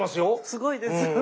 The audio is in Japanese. すごいです！